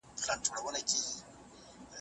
زه به په راتلونکي کي د نورو خبري ښې اورم.